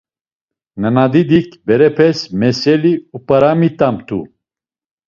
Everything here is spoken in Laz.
Nandidik berepes meseli up̌aramitamtu.